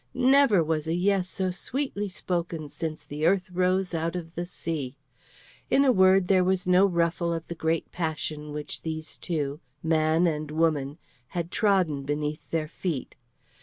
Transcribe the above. Never was a "Yes" so sweetly spoken since the earth rose out of the sea. In a word, there was no ruffle of the great passion which these two, man and woman, had trodden beneath their feet.